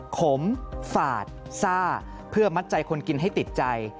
ขมฝาดซ่าเพื่อมัดใจคนกินให้ติดใจ